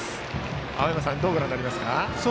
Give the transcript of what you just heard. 青山さん、どうご覧になりますか。